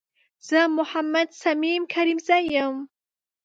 زه محمد صميم کريمزی یم